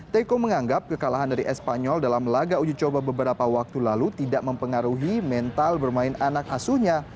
teko menganggap kekalahan dari espanyol dalam laga uji coba beberapa waktu lalu tidak mempengaruhi mental bermain anak asuhnya